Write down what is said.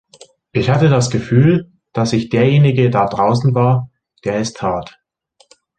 Ich hatte das Gefühl, dass ich derjenige da draußen war, der es tat.